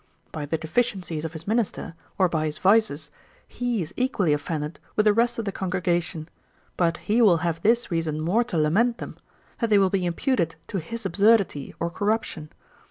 By the deficiencies of his minister, or by his vices, he is equally offended with the rest of the congregation; but he will have this reason more to lament them, that they will be imputed to his absurdity or corruption.